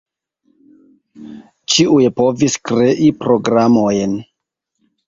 Ĉiuj povis krei programojn.